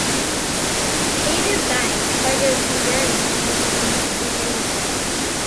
Pater Bank targeted Hungarians living in Romania.